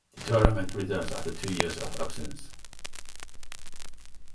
The tournament returns after two years of absence.